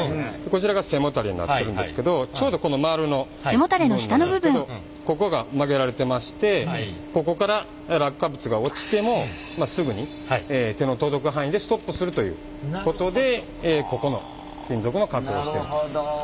こちらが背もたれになっとるんですけどちょうどこのまるの部分なんですけどここが曲げられてましてここから落下物が落ちてもすぐに手の届く範囲でストップするということでここの金属の加工をしてるということです。